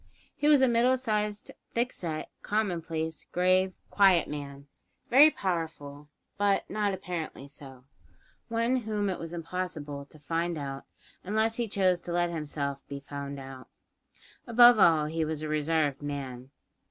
He was a middle sized, thick set, commonplace, grave, quiet man; very powerful but not apparently so; one whom it was impossible to "find out" unless he chose to let himself be found out. Above all, he was a reserved man.